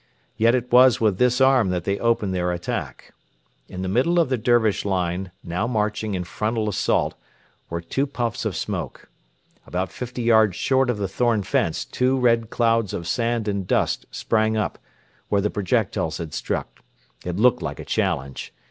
Yet it was with this arm that they opened their attack. In the middle of the Dervish line now marching in frontal assault were two puffs of smoke. About fifty yards short of the thorn fence two red clouds of sand and dust sprang up, where the projectiles had struck. It looked like a challenge.